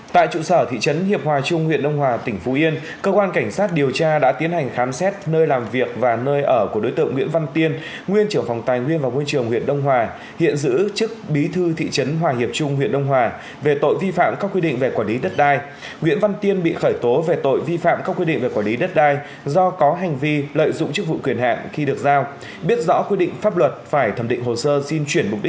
và cũng vào chiều ngày hôm qua thì cơ quan cảnh sát điều tra công an tỉnh phú yên đã khởi tố bị can và lệnh bắt tạm giam tiến hành khám xét nơi ở nơi làm việc của hai cán bộ huyện đông hòa tỉnh phú yên có sai phạm về quản lý đất đai